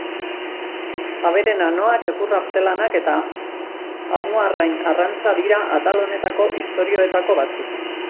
Abere nanoak, egur artelanak eta amuarrain arrantza dira atal honetako historioetako batzuk.